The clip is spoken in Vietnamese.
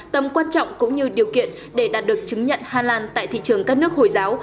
tầm quan trọng cũng như điều kiện để đạt được chứng nhận hà lan tại thị trường các nước hồi giáo